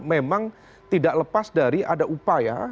memang tidak lepas dari ada upaya